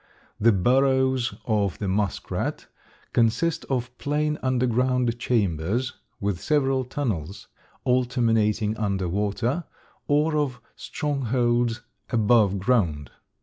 The burrows of the muskrat consist of plain underground chambers, with several tunnels, all terminating under water, or of strongholds above ground.